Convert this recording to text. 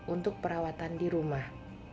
untuk perawatan di rumah